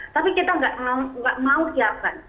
tapi kita nggak mau siapkan